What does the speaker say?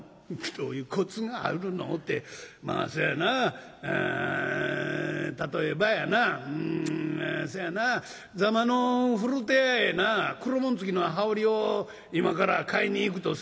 「どういうコツがあるのってまあそやなああ例えばやなうんそやな坐摩の古手屋へな黒紋付きの羽織を今から買いに行くとせえよ」。